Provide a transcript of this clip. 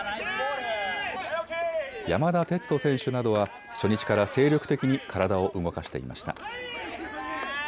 山田哲人選手などは初日から精力的に体を動かしていました。